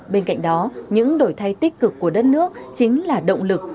bên cạnh đó những đổi thay tích cực của đất nước chính là động lực